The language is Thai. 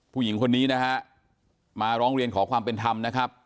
ผู้หญิงคนนี้นะฮะมาร้องเรียนขอความเป็นธรรมนะครับ